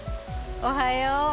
おはよう！